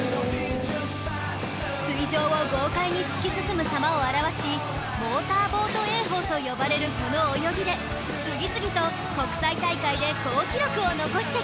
水上を豪快に突き進む様を表しモーターボート泳法と呼ばれるこの泳ぎで次々と国際大会で好記録を残してきた